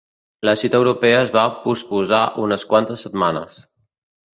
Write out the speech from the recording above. La cita europea es va posposar unes quantes setmanes.